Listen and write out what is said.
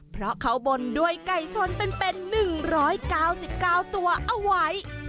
เพราะเขาบนด้วยไก่ชนเป็นหนึ่งร้อยเก้าสิบเก้าตัวเอาไว้